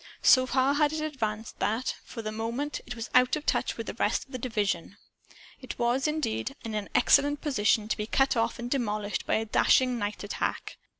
So far had it advanced that, for the moment, it was out of touch with the rest of the division. It was, indeed, in an excellent position to be cut off and demolished by a dashing nightattack.